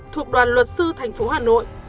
thuộc đoàn luật sư tp hà nội